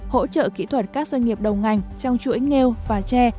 hỗ trợ kỹ thuật các doanh nghiệp đầu ngành trong chuỗi nghêu và tre